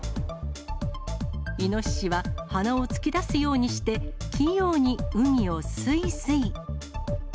イノシシは、鼻を突き出すようにして、器用に海をすいすい。